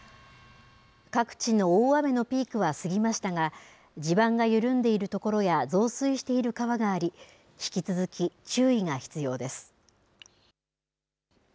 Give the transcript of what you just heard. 各地の大雨のピークは過ぎましたが、地盤が緩んでいる所や増水している川があり、引き続き注意が必要です。